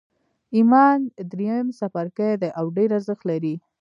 ایمان درېیم څپرکی دی او ډېر ارزښت لري